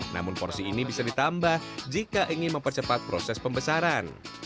namun porsi ini bisa ditambah jika ingin mempercepat proses pembesaran